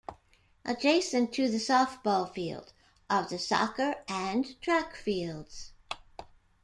Adjacent to the softball field are the soccer and track fields.